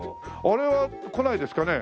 あれは来ないですかね？